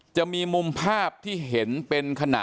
จะมีมุมภาพที่เห็นเป็นขณะ